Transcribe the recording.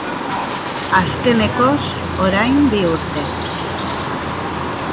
Azkenekoz, orain bi urte.